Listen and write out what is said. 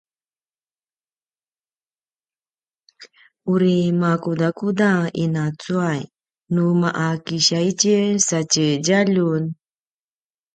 uri makudakuda ina cuay nu ma’a kisiya itjen sa tje djaljun?